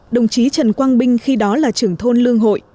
đồng chí trần quang binh khi đó là trưởng thôn lương hội